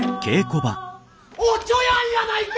おちょやんやないか！